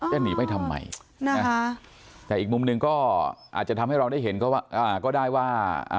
จะหนีไปทำไมแต่อีกมุมหนึ่งก็อาจจะทำให้เราได้เห็นก็ได้ว่า